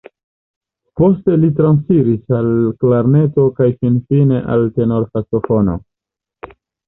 Poste li transiris al klarneto kaj finfine al tenorsaksofono.